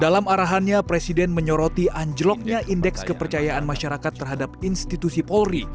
dalam arahannya presiden menyoroti anjloknya indeks kepercayaan masyarakat terhadap institusi polri